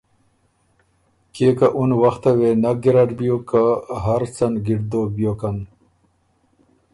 کيې که اُن وخته وې نک ګیرډ بیوک که هر څه ن ګِړد دوک بیوکن